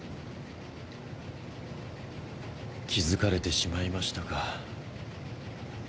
気付かれてしまいましたか。